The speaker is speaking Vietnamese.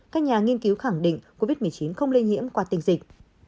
các nhà nghiên cứu khẳng định covid một mươi chín không lây nhiễm qua tình dịch